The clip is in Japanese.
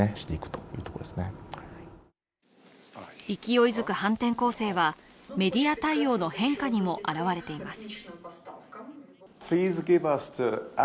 勢いづく反転攻勢はメディア対応の変化にも表れています。